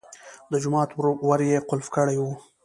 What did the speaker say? د جومات ور یې قلف کړی و.